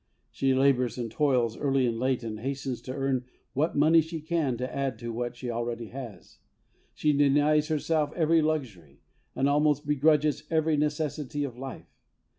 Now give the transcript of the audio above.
She labours and toils early and late, and hastens to earn what money she can to add to what she already has ; she denies herself every luxury, and almost begrudges every necessity of life.